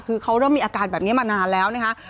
คือเขาเริ่มมีอาการแบบนี้มานานแล้วนะคะ